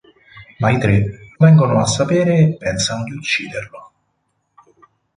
Ma i tre lo vengono a sapere e pensano di ucciderlo.